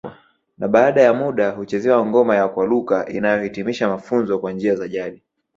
Na baada ya muda huchezewa ngoma ya kwaluka inayohitimisha mafunzo kwa njia za jadi